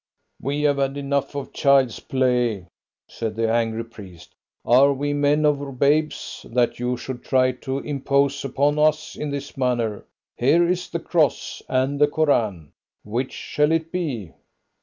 "We have had enough child's play," said the angry priest. "Are we men or babes, that you should try to impose upon us in this manner? Here is the cross and the Koran which shall it be?"